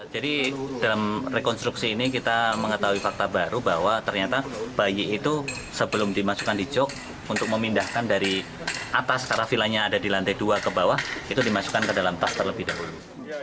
jadi dalam rekonstruksi ini kita mengetahui fakta baru bahwa ternyata bayi itu sebelum dimasukkan di jog untuk memindahkan dari atas karena vilanya ada di lantai dua ke bawah itu dimasukkan ke dalam tas terlebih dahulu